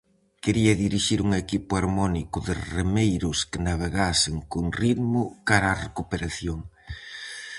Quería dirixir un equipo harmónico de remeiros que navegasen con ritmo cara á recuperación.